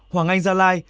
hoàng anh gia lai